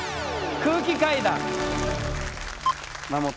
空気階段ま